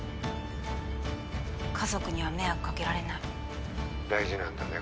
家族には迷惑かけられない☎大事なんだね